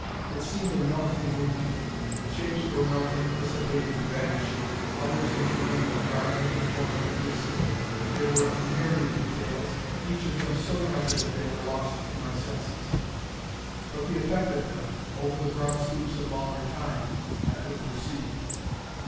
It seemed a melting movement. Shapes were melting, dissipating, vanishing; others, intermingled, rising to form a new vista. There were a myriad details, each of them so rapid they were lost to my senses; but the effect of them, over the broad sweeps of longer Time, I could perceive.